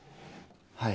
はい。